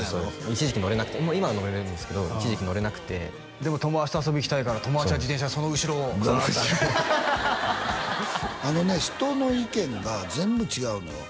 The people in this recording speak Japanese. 一時期乗れなくてもう今は乗れるんですけど一時期乗れなくてでも友達と遊びに行きたいから友達は自転車その後ろをあのね人の意見が全部違うのよ